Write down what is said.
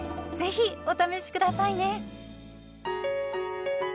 ぜひお試し下さいね。